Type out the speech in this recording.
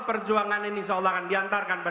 perjuangan ini insya allah akan diantarkan